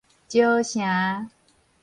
蕉城